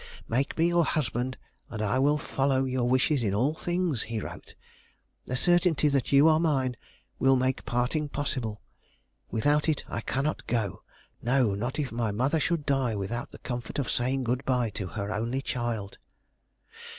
"Make me your husband, and I will follow your wishes in all things," he wrote. "The certainty that you are mine will make parting possible; without it, I cannot go; no, not if my mother should die without the comfort of saying good bye to her only child."